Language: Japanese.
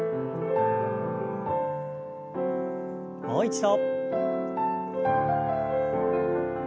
もう一度。